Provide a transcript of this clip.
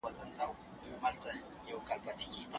کورونا جدي وګڼئ!